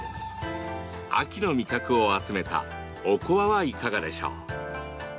秋の味覚を集めたおこわは、いかがでしょう？